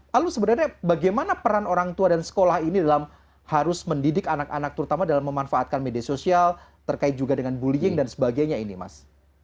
lalu sebenarnya bagaimana peran orang tua dan sekolah ini dalam harus mendidik anak anak terutama dalam memanfaatkan media sosial terkait juga dengan bullying dan sebagainya ini mas